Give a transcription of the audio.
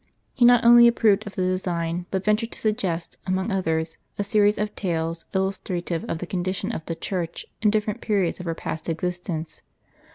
He not only approved of the design, Tbut ventui ed to suggest, among others, a series of tales illustrative of the condition of the Church in different periods of her past existence.